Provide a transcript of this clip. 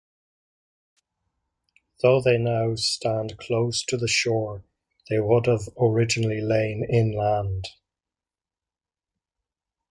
Though they now stand close to the shore, they would have originally lain inland.